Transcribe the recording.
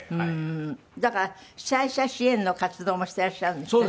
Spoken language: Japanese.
だから被災者支援の活動もしていらっしゃるんですってね。